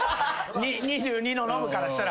２２のノブからしたらな。